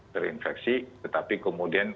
terinfeksi tetapi kemudian